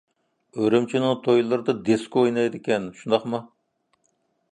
ئۈرۈمچىنىڭ تويلىرىدا دىسكو ئوينايدىكەن، شۇنداقمۇ؟